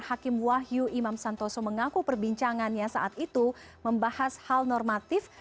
hakim wahyu imam santoso mengaku perbincangannya saat itu membahas hal normatif